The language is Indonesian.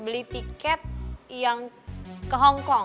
beli tiket yang ke hongkong